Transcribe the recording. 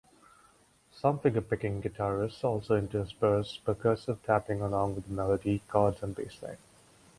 Some fingerpicking guitarists also intersperse percussive tapping along with the melody, chords and bassline.